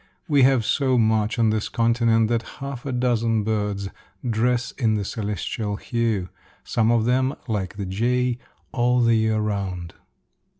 We have so much on this continent, that half a dozen birds dress in the celestial hue; some of them, like the jay, all the year round.